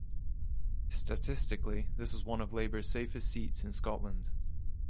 Statistically, this was one of Labour's safest seats in Scotland.